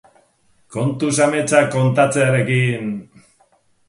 Kontuz ametsak kontatzearekin!